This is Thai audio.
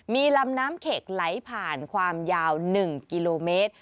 มีลำน้ำเข็กไหลผ่านความยาว๑กิโลเมตร